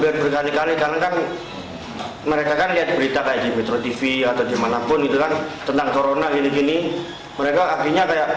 kepulangan mahasiswa asal banyuwangi jawa timur yang kuliah di tiongkok masih berlangsung